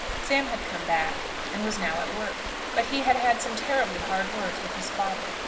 Sam had come back, and was now at work, but he had had some terribly hard words with his father.